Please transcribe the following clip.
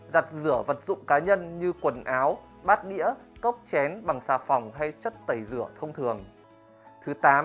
tám giặt rửa vật dụng cá nhân như quần áo bát đĩa cốc chén bằng sạch